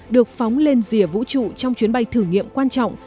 được phóng lên rìa vũ trụ trong chuyến bay thử nghiệm quan trọng